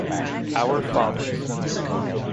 our fathers.